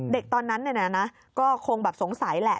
เด็กตอนนั้นก็คงสงสัยแหละ